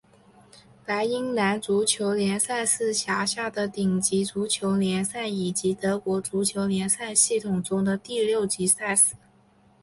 莱茵兰足球联赛是辖下的顶级足球联赛以及德国足球联赛系统中的第六级赛事。